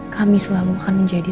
kami selalu akan menjadi